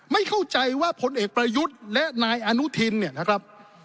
ไม่เข้าใจว่าพลเอกประยุทธ์และนายอนุทินเนี่ยนะครับ